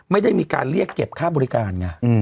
ไม่ได้มีการเรียกเก็บค่าบริการไง